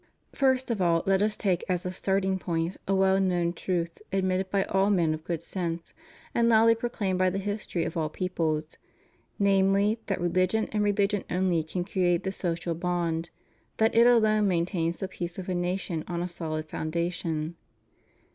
First of all, let us take as a starting point a well known truth admitted by all men of good sense and loudly pro claimed by the history of all peoples; namely, that rehgion, and religion only, can create the social bond; that it alone maintains the peace of a nation on a solid foundation.